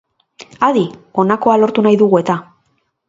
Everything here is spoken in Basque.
Adi, honakoa lortu nahi dugu eta!